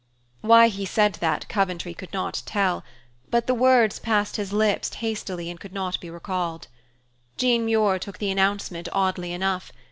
Why he said that, Coventry could not tell, but the words passed his lips hastily and could not be recalled. Jean Muir took the announcement oddly enough.